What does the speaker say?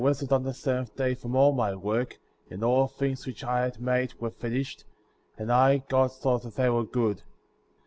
rested on the seventh day from all my work, and all things which I had made were finished, and I, God, saw that they were good.